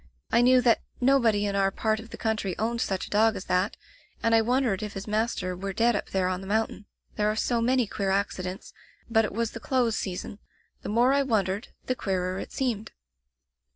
I knew that nobody in our part of the country owned such a dog as diat, and I wondered if his master were dead up there on the mountain. There are so many queer accidents — but it was the close season. The more I wondered, the queerer it seemed.